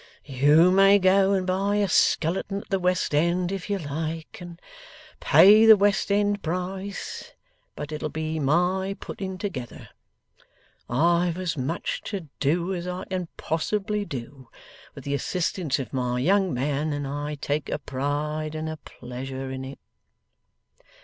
You may go and buy a skeleton at the West End if you like, and pay the West End price, but it'll be my putting together. I've as much to do as I can possibly do, with the assistance of my young man, and I take a pride and a pleasure in it.